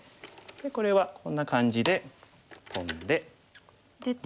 でこれはこんな感じでトンで出て。